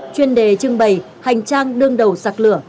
chuyên đề trưng bày hành trang đương đầu sạc lửa